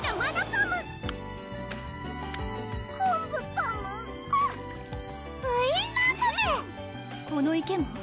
この池も？